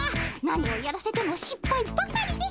何をやらせてもしっぱいばかりで。